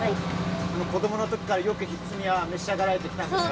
子供の時からよく、ひっつみは召し上がってきたんですか。